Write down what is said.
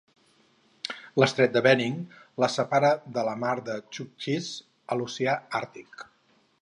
L'estret de Bering la separa de la mar dels Txuktxis, a l'oceà Àrtic.